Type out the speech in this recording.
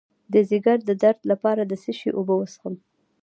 د ځیګر د درد لپاره د څه شي اوبه وڅښم؟